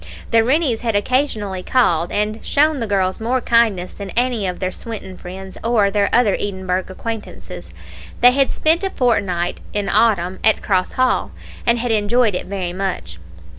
The Rennies had occasionally called, and shown the girls more kindness than any of their Swinton friends, or their other Edinburgh acquaintances. They had spent a fortnight, in autumn, at Cross Hall, and had enjoyed it very much.